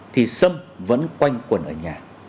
thì sâm vẫn quanh quần ở nhà